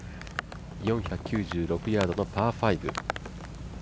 ４９６ヤードのパー５。